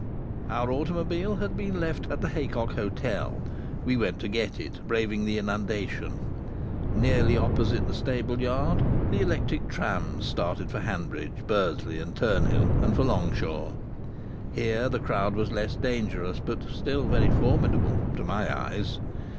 Our automobile had been left at the Haycock Hotel; we went to get it, braving the inundation. Nearly opposite the stable yard the electric trams started for Hanbridge, Bursley and Turnhill, and for Longshaw. Here the crowd was less dangerous, but still very formidable to my eyes.